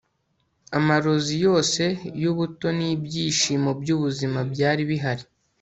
Amarozi yose yubuto nibyishimo byubuzima byari bihari